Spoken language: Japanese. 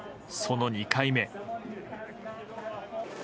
その２回目。